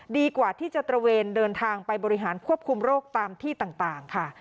ดีกว่าที่จะตระเวนเดินทางไปบริหารควบคุมโรคตามที่ต่างค่ะ